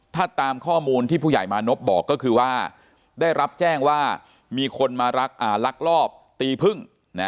ถ้าตามข้อมูลที่ผู้ใหญ่มานพบอกก็คือว่าได้รับแจ้งว่ามีคนมาลักลอบตีพึ่ง